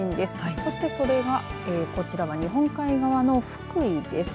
そしてそれがこちらが日本海側の福井です。